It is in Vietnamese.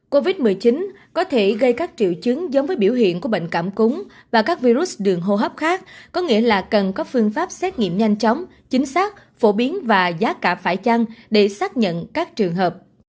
covid một mươi chín có thể gây các triệu chứng giống với biểu hiện của bệnh cảm cúng và các virus đường hô hấp khác có nghĩa là cần có phương pháp xét nghiệm nhanh chóng chính xác phổ biến và giá cả phải chăng để xác nhận các trường hợp